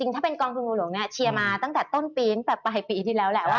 ถ้าเป็นกองทุนบัวหลวงเนี่ยเชียร์มาตั้งแต่ต้นปีตั้งแต่ปลายปีที่แล้วแหละ